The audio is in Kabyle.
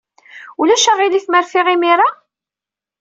Ulac aɣilif ma rfiɣ imir-a?